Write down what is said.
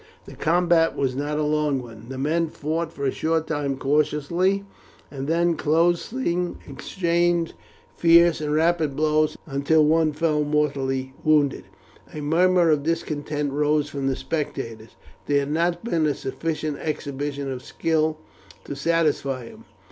The combat was not a long one. The men fought for a short time cautiously, and then closing exchanged fierce and rapid blows until one fell mortally wounded. A murmur of discontent rose from the spectators, there had not been a sufficient exhibition of skill to satisfy them.